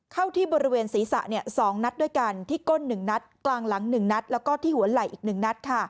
เข้าที่บริเวณศีรษะ๒นัดด้วยกันที่ก้น๑นัดกลางหลัง๑นัดแล้วก็ที่หัวไหล่อีก๑นัด